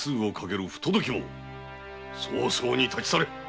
早々に立ち去れ！